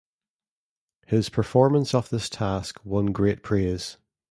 His performance of this task won great praise.